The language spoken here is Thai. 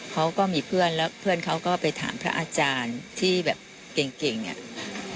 เขาก็มีเพื่อนแล้วเพื่อนเขาก็ไปถามพระอาจารย์ที่แบบเก่งเนี่ย